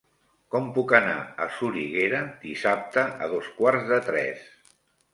Com puc anar a Soriguera dissabte a dos quarts de tres?